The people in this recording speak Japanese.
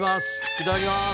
いただきます。